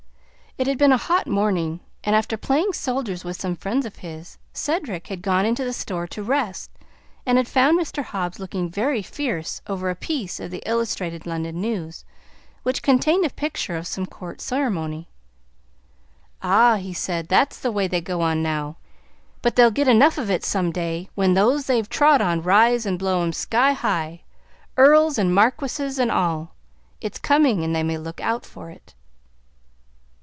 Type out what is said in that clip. It had been a hot morning; and after playing soldiers with some friends of his, Cedric had gone into the store to rest, and had found Mr. Hobbs looking very fierce over a piece of the Illustrated London News, which contained a picture of some court ceremony. "Ah," he said, "that's the way they go on now; but they'll get enough of it some day, when those they've trod on rise and blow 'em up sky high, earls and marquises and all! It's coming, and they may look out for it!"